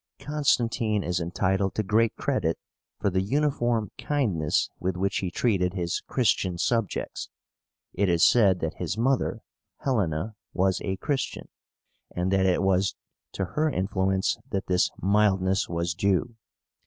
Constantine is entitled to great credit for the uniform kindness with which he treated his Christian subjects. It is said that his mother, HELENA, was a Christian, and that it was to her influence that this mildness was due.